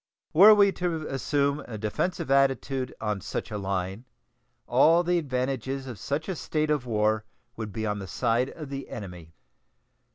Were we to assume a defensive attitude on such a line, all the advantages of such a state of war would be on the side of the enemy.